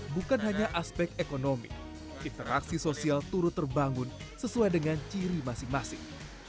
bukan hanya aspek ekonomi interaksi sosial turut terbangun sesuai dengan ciri masing masing